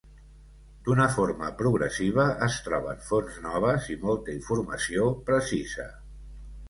D'una forma progressiva es troben fonts noves i molta informació precisa.